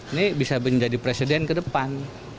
ini bisa menjadi presiden ke depan